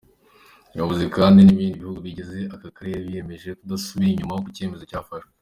Yavuze kandi ko n’ibindi bihugu bigize akarere byiyemeje kutazasubira inyuma ku cyemezo byafashe.